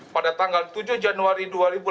pada tanggal tujuh januari dua ribu delapan belas